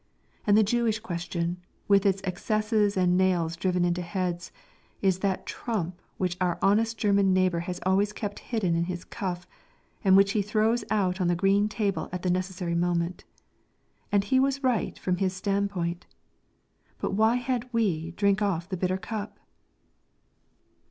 And the Jewish question, with its excesses and nails driven into heads, is that trump which our honest German neighbour has always kept hidden in his cuff and which he throws out on the green table at the necessary moment. And he was right from his standpoint. But why had we to drink off the bitter cup?